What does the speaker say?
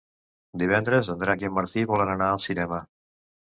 Divendres en Drac i en Martí volen anar al cinema.